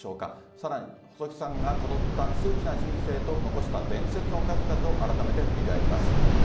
さらに、細木さんがたどった数奇な人生と、残した伝説の数々を改めて振り返ります。